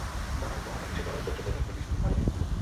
মাথার ওপর হঠাৎ এসে পড়া উপদ্রবে তাঁকে বেশ বিরক্ত মনে হলো।